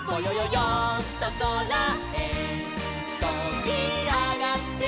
よんとそらへとびあがってみよう」